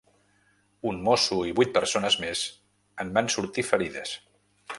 Un mosso i vuit persones més en van sortir ferides.